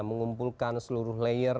mengumpulkan seluruh layer